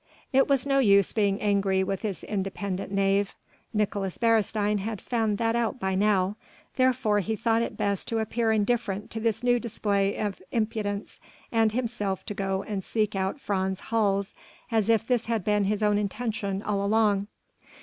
It was no use being angry with this independent knave; Nicolaes Beresteyn had found that out by now, therefore he thought it best to appear indifferent to this new display of impudence and himself to go and seek out Frans Hals as if this had been his own intention all along.